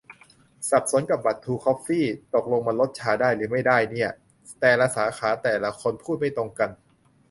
สับสนกับบัตรทรูคอฟฟี่ ตกลงมันลด ชา ได้หรือไม่ได้เนี่ย แต่ละสาขาแต่ละคนพูดไม่ตรงกัน